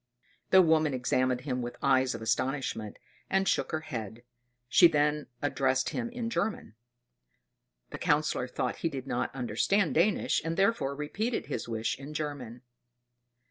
The woman examined him with eyes of astonishment, and shook her head; she then addressed him in German. The Councillor thought she did not understand Danish, and therefore repeated his wish in German.